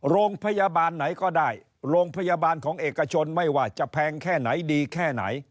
โรงพยาบาลไหนก็ได้โรงพยาบาลของเอกชนไม่ว่าจะแพงแค่ไหนดีแค่ไหน